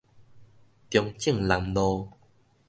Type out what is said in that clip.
中正南路